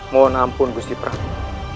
mohon ampun gusti prabu